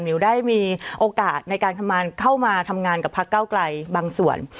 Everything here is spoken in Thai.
มิวได้มีโอกาสในการเข้ามาทำงานกับพักเก้าไกลบางส่วน